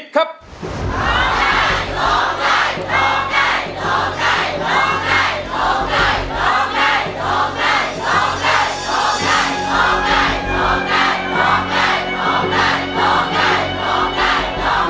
ยาแพ้